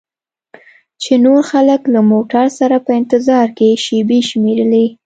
چې نور خلک له موټر سره په انتظار کې شیبې شمیرلې.